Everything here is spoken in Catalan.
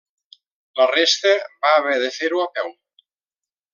La resta va haver de fer-ho a peu.